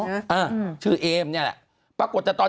คุณหนุ่มกัญชัยได้เล่าใหญ่ใจความไปสักส่วนใหญ่แล้ว